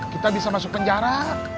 kita bisa masuk penjara